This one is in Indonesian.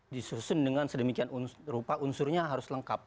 disusun dengan sedemikian rupa unsurnya harus lengkap